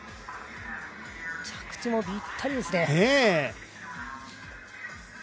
着地もびったりですね。